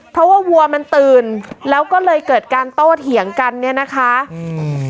เพราะว่าวัวมันตื่นแล้วก็เลยเกิดการโต้เถียงกันเนี้ยนะคะอืม